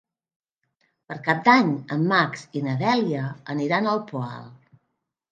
Per Cap d'Any en Max i na Dèlia aniran al Poal.